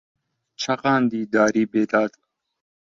چەقاندی داری بێداد